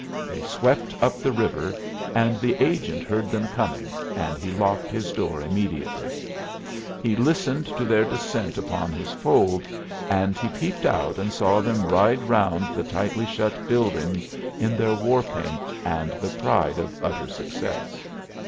They swept up the river, and the agent heard them coming, and he locked his door immediately. He listened to their descent upon his fold, and he peeped out and saw them ride round the tightly shut buildings in their war paint and the pride of utter success.